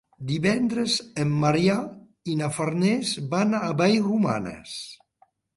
Divendres en Maria i na Farners van a Vallromanes.